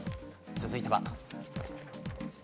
続いては。